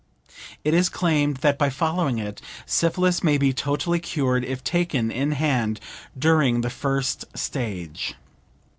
It is claimed that by following it, syphilis may be totally cured if taken in hand during the first stage.